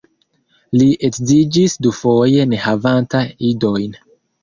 Li edziĝis dufoje ne havanta idojn.